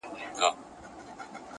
هره شېبه درس د قربانۍ لري!.